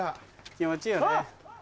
気持ちいいよね。